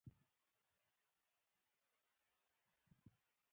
که نجونې زده کړه وکړي، نو ټولنه د اعتماد فضا لري.